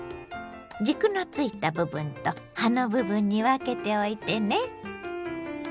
軸のついた部分と葉の部分に分けておいてね。